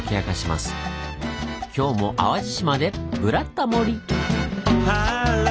今日も淡路島で「ブラタモリ」！